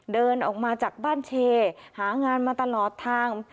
เดินออกมาจากบ้านเชหางานมาตลอดทาง